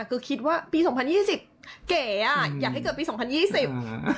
คือคิดว่าปีสองพันยี่สิบเก๋อ่ะอยากให้เกิดปีสองพันยี่สิบ